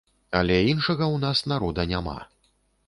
Але іншага ў нас народа няма.